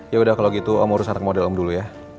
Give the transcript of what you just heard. yaudah kalau gitu om urus atas model om dulu ya